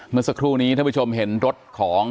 เมื่อสักครู่นี้ท่านผู้ชมเห็นรถของ